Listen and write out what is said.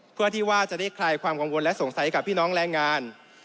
เพื่อที่ว่าจะได้คลายความกังวลและสงสัยกับพี่น้องแรงงาน